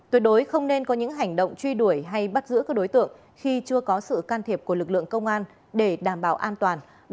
tuyệt đối không nên có những hành động truy đuổi hay bắt giữ các đối tượng khi chưa có sự can thiệp của lực lượng công an để đảm bảo an toàn